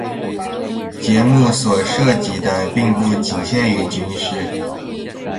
节目所涉及的并不仅限于军事。